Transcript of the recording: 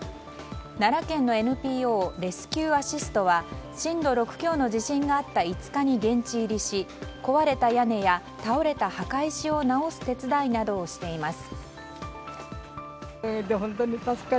奈良県のＮＰＯレスキューアシストは震度６強の地震があった５日に現地入りし壊れた屋根や倒れた墓石を直す手伝いなどをしています。